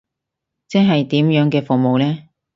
即係點樣嘅服務呢？